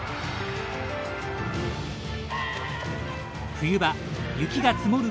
冬場雪が積もる